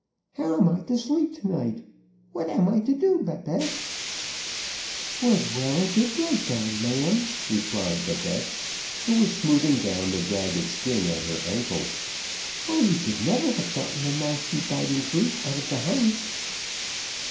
How am I to sleep to night? What am I to do, Babette?" "'Twas well it did break down, ma'am," replied Babette, who was smoothing down the jagged skin at her ankles; "or we should never have got the nasty biting brute out of the house."